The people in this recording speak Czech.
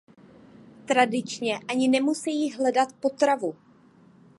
Tradičně ani nemusejí hledat potravu.